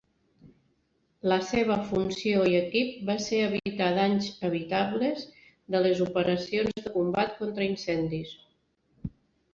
La seva funció i equip va ser evitar danys evitables de les operacions de combat contra incendis.